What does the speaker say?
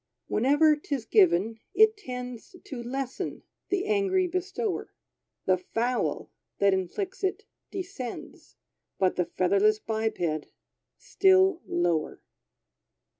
Whenever 'tis given, it tends To lessen the angry bestower. The fowl that inflicts it descends But the featherless biped, still lower.